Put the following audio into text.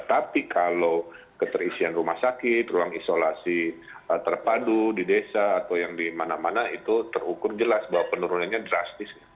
tapi kalau keterisian rumah sakit ruang isolasi terpadu di desa atau yang di mana mana itu terukur jelas bahwa penurunannya drastis